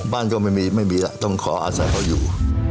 บ้านก็ไม่มีไม่มีแล้วต้องขออาศัยเขาอยู่